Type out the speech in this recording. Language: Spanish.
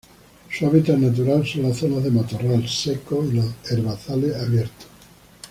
Su hábitat natural son las zonas de matorral seco y los herbazales abiertos.